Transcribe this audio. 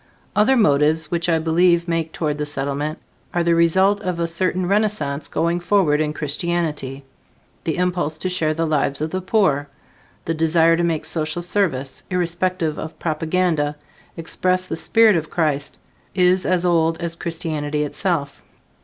Other motives which I believe make toward the Settlement are the result of a certain renaissance going forward in Christianity. The impulse to share the lives of the poor, the desire to make social service, irrespective of propaganda, express the spirit of Christ, is as old as Christianity itself.